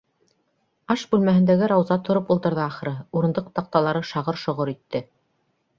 - Аш бүлмәһендәге Рауза тороп ултырҙы ахыры - урындыҡ таҡталары шағыр-шоғор итте.